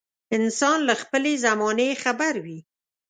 انسان له خپلې زمانې خبر وي.